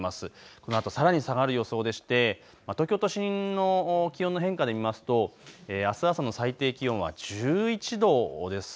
このあとさらに下がる予想でして東京都心の気温の変化で見ますとあす朝の最低気温は１１度です。